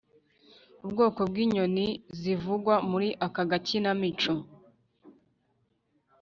Ubwoko bw’inyoni zivugwa muri aka gakinmico